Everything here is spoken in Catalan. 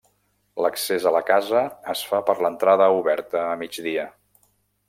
L'accés a la casa es fa per l'entrada oberta a migdia.